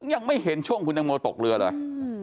ยังไม่เห็นช่วงคุณตังโมตกเรือเลย